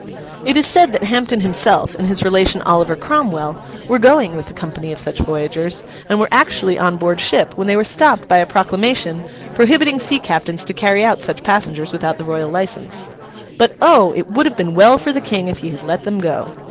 It is said that Hampden himself and his relation Oliver Cromwell were going with a company of such voyagers, and were actually on board ship, when they were stopped by a proclamation, prohibiting sea captains to carry out such passengers without the royal license. But O! it would have been well for the King if he had let them go!